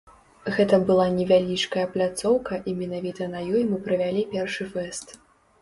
Гэта была невялічкая пляцоўка і менавіта на ёй мы правялі першы фэст.